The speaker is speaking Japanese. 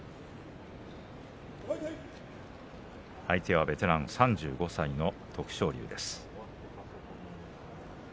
相手はベテランの３５歳の徳勝龍です。